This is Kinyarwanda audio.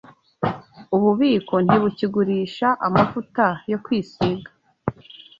Ububiko ntibukigurisha amavuta yo kwisiga.